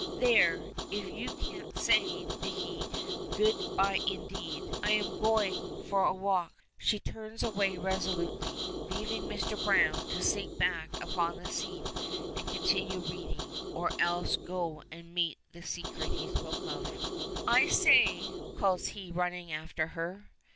There! if you can't stay, Dicky, good by indeed. I'm going for a walk." She turns away resolutely, leaving Mr. Browne to sink back upon the seat and continue his reading, or else to go and meet that secret he spoke of. "I say," calls he, running after her.